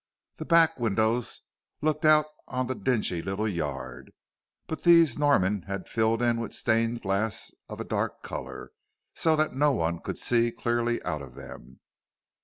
The back windows looked out on the dingy little yard, but these Norman had filled in with stained glass of a dark color, so that no one could see clearly out of them.